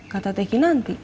kata teh kinanti